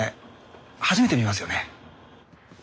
初めて見ますよね。